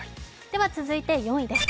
続いて４位です。